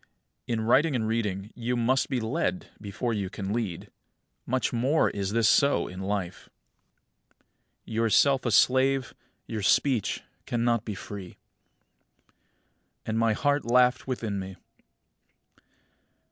29. In writing and reading you must be led before you can lead. Much more is this so in life. 30. Yourself a slave, your speech cannot be free. 31. And my heart laughed within me.